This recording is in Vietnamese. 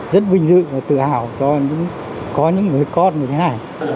rất vinh dự và tự hào cho có những người con như thế này